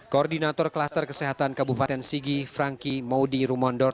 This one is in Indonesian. koordinator klaster kesehatan kabupaten sigi franky maudi rumondor